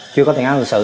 chưa có thính án hình sự